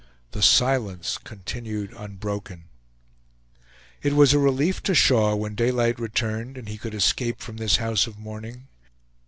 The silence continued unbroken. It was a relief to Shaw when daylight returned and he could escape from this house of mourning.